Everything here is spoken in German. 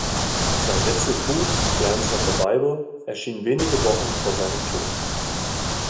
Sein letztes Buch "Plants of the Bible" erschien wenige Wochen vor seinem Tod.